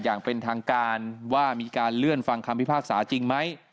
อย่างเป็นทางการว่ามีการเลื่อนฟังคำพิพากษาจริงไหม